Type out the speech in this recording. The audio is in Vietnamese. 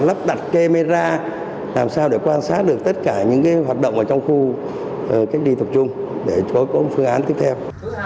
lắp đặt camera làm sao để quan sát được tất cả những hoạt động ở trong khu cách ly tập trung để có một phương án tiếp theo